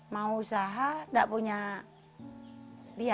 mau usaha tidak punya biaya